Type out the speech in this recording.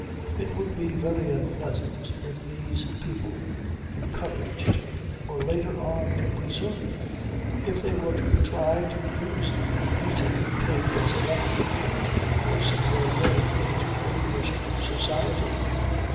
It would be very unpleasant if these people, encouraged, were later on to presume; if they were to try to use the eaten cake as a weapon for forcing their way into English society.